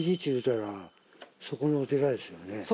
そこのお寺ですよね。